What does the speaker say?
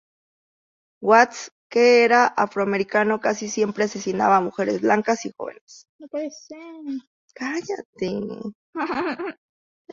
Watts, que era afroamericano, casi siempre asesinaba a mujeres blancas y jóvenes.